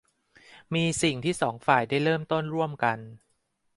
มีสิ่งที่สองฝ่ายได้เริ่มต้นร่วมกัน